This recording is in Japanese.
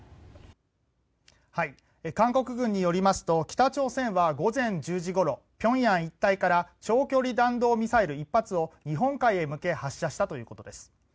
韓国軍によりますと北朝鮮は午前１０時ごろ平壌一帯から長距離弾道ミサイル１発を日本海へ向け発射したということです。